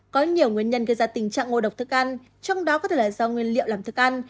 có nhiều nguyên nhân gây ra tình trạng ngộ độc thức ăn trong đó có thể là do nguyên liệu làm thức ăn